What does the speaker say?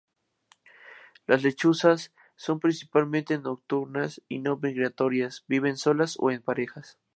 Las lechuzas son principalmente nocturnas y no migratorias; viven solas o en parejas.